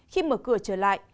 khi mở cửa trở lại